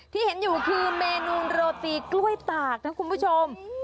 ที่เห็นอยู่คือเมนูโรตีกล้วยตากนะคุณผู้ชม